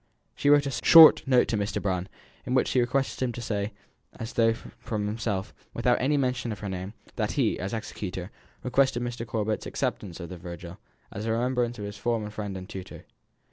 She wrote a short note to Mr. Brown, in which she requested him to say, as though from himself; and without any mention of her name, that he, as executor, requested Mr. Corbet's acceptance of the Virgil, as a remembrance of his former friend and tutor.